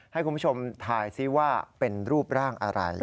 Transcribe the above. ให้คุณผู้ชมถ่ายซิว่าเป็นรูปร่างอะไร